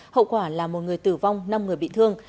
hậu quả là một người tử vong năm người bị thương